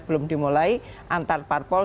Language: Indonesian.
belum dimulai antar parpol